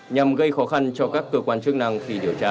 nhằm gây khó khăn cho các cơ quan chức năng khi điều tra